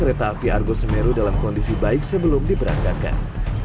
kereta api argo semeru dalam kondisi baik sebelum diberangkatkan